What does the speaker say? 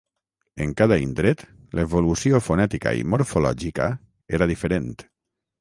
En cada indret l'evolució fonètica i morfològica era diferent.